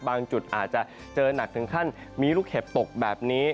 จุดอาจจะเจอหนักถึงขั้นมีลูกเห็บตกแบบนี้